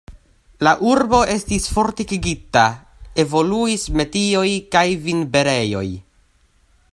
La urbo estis fortikigita, evoluis metioj kaj vinberejoj.